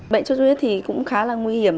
bệnh xuất huyết thì cũng khá là nguy hiểm